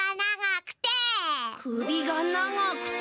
くびがながくて。